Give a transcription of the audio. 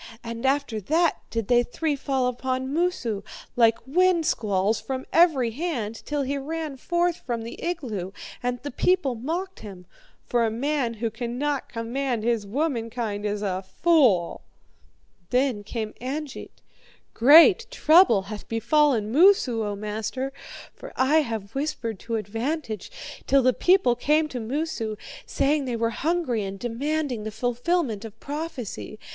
And after that did they three fall upon Moosu, like wind squalls, from every hand, till he ran forth from the igloo, and the people mocked him. For a man who cannot command his womankind is a fool.' "Then came Angeit: 'Great trouble hath befallen Moosu, O master, for I have whispered to advantage, till the people came to Moosu, saying they were hungry and demanding the fulfilment of prophecy.